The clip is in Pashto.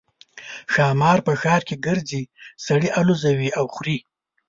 ښامار په ښار کې ګرځي سړي الوزوي او خوري.